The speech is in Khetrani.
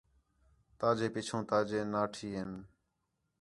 تا جے پِچّھوں تا جے ناٹھی ایں